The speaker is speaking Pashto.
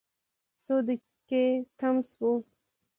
څو دقیقې تم شوو.